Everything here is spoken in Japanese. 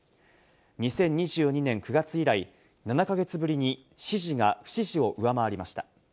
２０２２年９月以来、７か月ぶりに支持が不支持を上回りました。